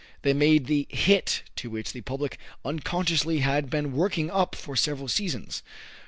They made the "hit" to which the public unconsciously had been working up for several seasons.